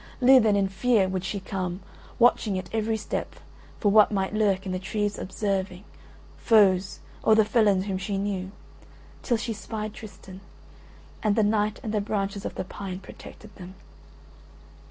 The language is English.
Lithe and in fear would she come, watching at every step for what might lurk in the trees observing, foes or the felons whom she knew, till she spied Tristan; and the night and the branches of the pine protected them.